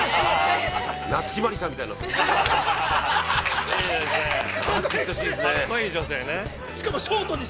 ◆夏木マリさんみたいに。